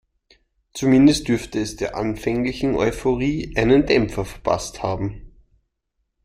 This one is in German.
Zumindest dürfte es der anfänglichen Euphorie einen Dämpfer verpasst haben.